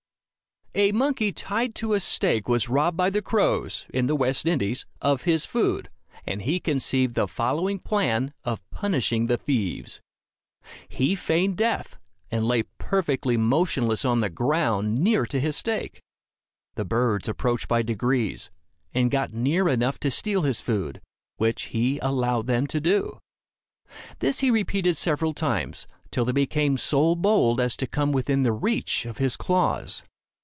A monkey tied to a stake was robbed by the crows, in the West Indies, of his food, and he conceived the following plan of punishing the thieves. He feigned death, and lay perfectly motionless on the ground near to his stake. The birds approached by degrees, and got near enough to steal his food, which he allowed them to do. This he repeated several times, till they became so bold as to come within the reach of his claws.